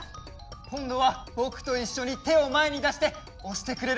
こんどはぼくといっしょにてをまえにだしておしてくれる？